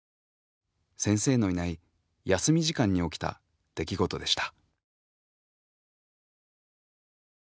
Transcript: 先生のいない休み時間に起きた出来事でした。